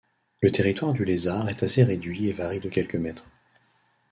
Le territoire du lézard est assez réduit et varie de quelques mètres.